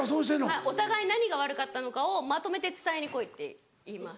はいお互い何が悪かったのかをまとめて伝えに来いって言います。